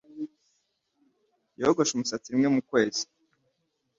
Yogoshe umusatsi rimwe mu kwezi